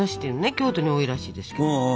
京都に多いらしいですけど。